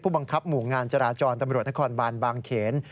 บังคับหมู่งานจราจรตำรวจนครบานบางเขน